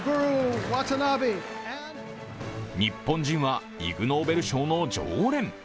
日本人はイグ・ノーベル賞の常連。